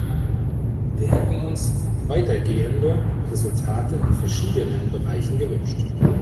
Wir hätten uns weitergehende Resultate in verschiedenen Bereichen gewünscht.